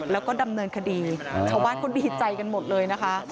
แล้วก็ดำเนินคดีชาวบ้านก็ดีใจกันหมดเลยนะคะ